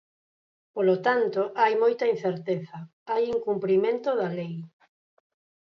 Polo tanto, hai moita incerteza, hai incumprimento da lei.